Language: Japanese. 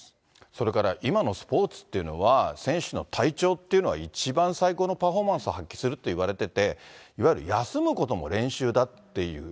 それから今のスポーツっていうのは、選手の体調っていうのは一番最高のパフォーマンスを発揮するといわれてて、いわゆる休むことも練習だっていう。